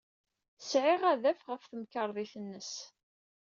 Sɛiɣ adaf ɣer temkarḍit-nnes.